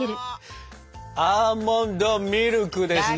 アーモンドミルクですね。